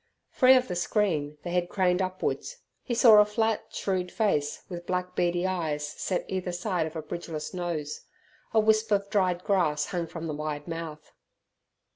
Free of the screen, the head craned upwards. He saw a flat, shrewd face, with black beady eyes set either side of a bridgeless nose. A wisp of dried grass hung from the wide mouth.